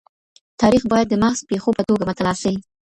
تاریخ باید د محض پېښو په توګه مطالعه سي.